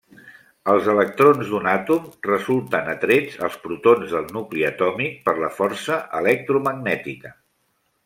Els electrons d'un àtom resulten atrets als protons del nucli atòmic per la força electromagnètica.